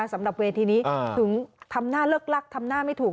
สำหรับเวทีนี้ถึงทำหน้าเลิกลักทำหน้าไม่ถูก